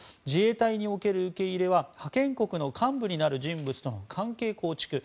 自衛隊における受け入れは派遣国の幹部になる人物との関係構築